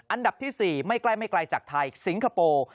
อันดับที่๔ไม่ใกล้ไม่ไกลจากไทยสิงคโปร์